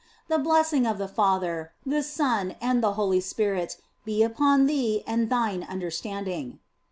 The blessing of the Father, the Son, and the Holy Spirit be upon thee and thine understanding."